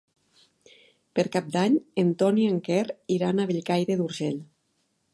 Per Cap d'Any en Ton i en Quer iran a Bellcaire d'Urgell.